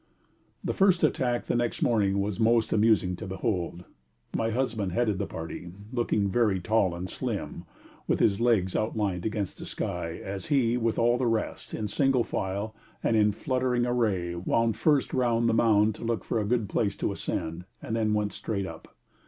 The first attack next morning was most amusing to behold. My husband headed the party, looking very tall and slim, with his legs outlined against the sky, as he, with all the rest, in single file and in fluttering array, wound first round the mound to look for a good place to ascend, and then went straight up.